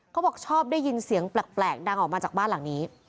เขาบอกชอบได้ยินเสียงแปลกดังออกมาจากบ้านหลังนี้